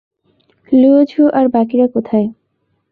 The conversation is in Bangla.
লুয়ো ঝু আর বাকিরা কোথায়?